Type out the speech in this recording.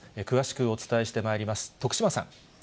詳しくお伝えしてまいります。